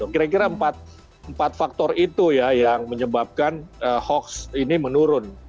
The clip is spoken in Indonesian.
kira kira empat faktor itu ya yang menyebabkan hoax ini menurun